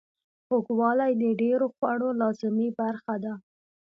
خوږوالی د ډیرو خوړو لازمي برخه ده.